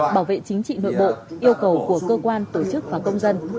bảo vệ chính trị nội bộ yêu cầu của cơ quan tổ chức và công dân